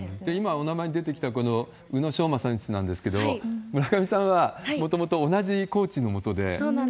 今、お名前が出てきた宇野昌磨選手なんですけれども、村上さんはもともと同じコーチのもとで。